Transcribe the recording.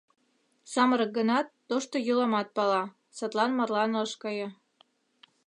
Самырык гынат, тошто йӱламат пала, садлан марлан ыш кае...